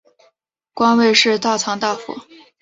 官位是大藏大辅。